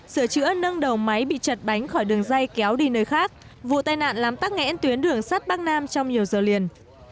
sửa chữa nâng đầu máy bị chật bánh khỏi đường dây kéo đi nơi khác vụ tai nạn làm tắc nghẽn tuyến đường sắt bắc nam trong nhiều giờ liền